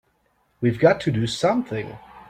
We've got to do something!